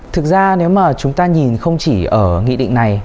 thực ra nếu mà chúng ta nhìn không chỉ ở nghị định này